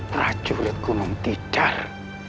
prajurit unung kidar